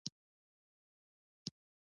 پښتانه باید د دې ناوړه کړنو په وړاندې کلک ودرېږي.